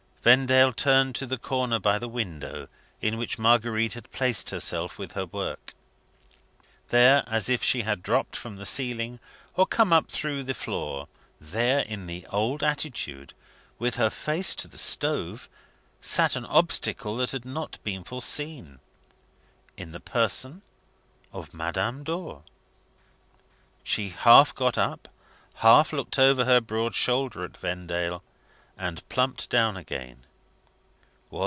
Vendale turned to the corner by the window, in which Marguerite had placed herself with her work. There, as if she had dropped from the ceiling, or come up through the floor there, in the old attitude, with her face to the stove sat an Obstacle that had not been foreseen, in the person of Madame Dor! She half got up, half looked over her broad shoulder at Vendale, and plumped down again.